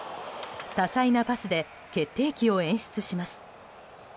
多彩なパスで決定機を演出します。